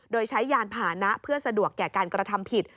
โดยใช้ยานผ่านนะเพื่อสะดวกแก่การกระทำผิด